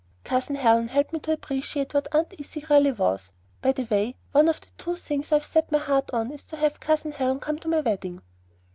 Cousin Helen helped me to appreciate what Aunt Izzy really was. By the way, one of the two things I have set my heart on is to have Cousin Helen come to my wedding."